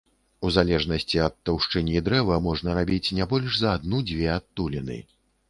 У залежнасці ад таўшчыні дрэва можна рабіць не больш за адну-дзве адтуліны.